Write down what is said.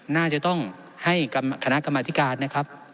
น่าจะต้องให้คณะกรรมธิการนะครับ